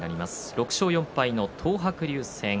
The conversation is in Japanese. ６勝４敗の東白龍戦。